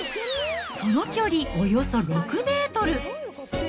その距離およそ６メートル。